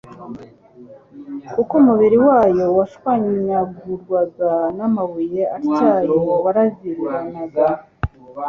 Kuko umubiri wabo washwanyagurwaga n'amabuye atyaye waraviriranaga.